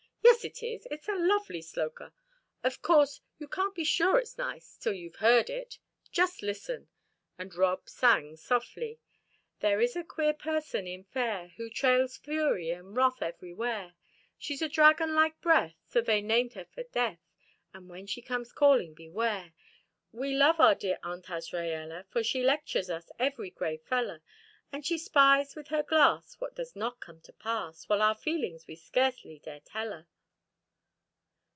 "Yes, it is; it's a lovely 'sloka.' Of course, you can't be sure it's nice till you've heard it. Just listen." And Rob sang softly: "_There is a queer person in Fayre, Who trails fury and wrath everywhere; She's a dragon like breath, So they named her for death, And when she comes calling: Beware! We love our dear Aunt Azraella, For she lectures us every Grey feller!_ _And she spies with her glass What does not come to pass, While our feelings we scarcely dare tell her.